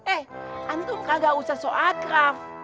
eh antum kagak usah soal kraf